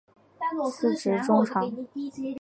司职中场。